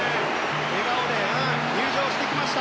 笑顔で入場してきました。